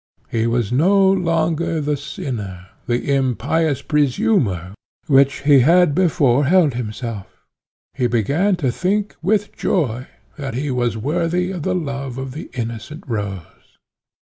He was no longer the sinner, the impious presumer, which he had before held himself; he began to think with joy that he was worthy of the love of the innocent Rose.